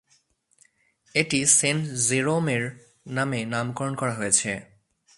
এটি সেন্ট জেরোমের নামে নামকরণ করা হয়েছে।